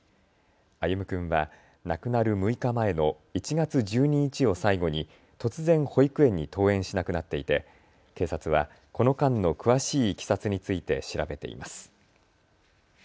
歩夢君は亡くなる６日前の１月１２日を最後に突然、保育園に登園しなくなっていて警察は、この間の詳しいいきさつについて調べています。